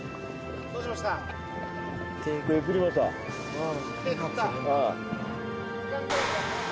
ああ